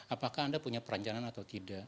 apakah anda punya perancanan atau tidak